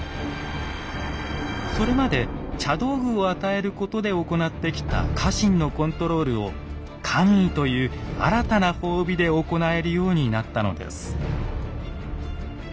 それまで茶道具を与えることで行ってきた家臣のコントロールを「官位」という新たな褒美で行えるようになったのです。